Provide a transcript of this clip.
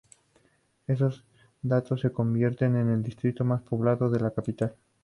Esos datos le convierten en el Distrito más poblado de la capital.